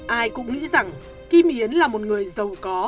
ai cũng nghĩ rằng kim yến là một người giàu có